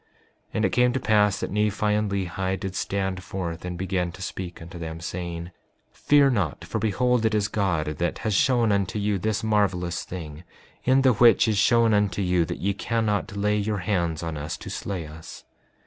5:26 And it came to pass that Nephi and Lehi did stand forth and began to speak unto them, saying: Fear not, for behold, it is God that has shown unto you this marvelous thing, in the which is shown unto you that ye cannot lay your hands on us to slay us.